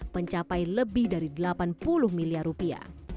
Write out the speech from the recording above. mencapai lebih dari delapan puluh miliar rupiah